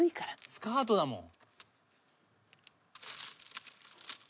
スカートだもん。